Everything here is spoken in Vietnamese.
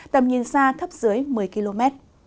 tầm nhìn xa thấp dưới một mươi km